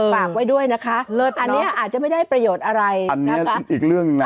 ฝากไว้ด้วยนะคะอันนี้อาจจะไม่ได้ประโยชน์อะไรอันนี้อีกเรื่องหนึ่งนะ